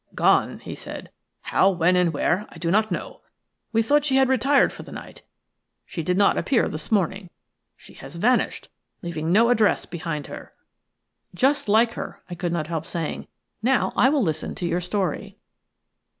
"Gone," he said. "How, when, and where I do not know. We thought she had retired for the night. She did not appear this morning. She has vanished, leaving no address behind her." "Just like her," I could not help saying. "Now I will listen to your story."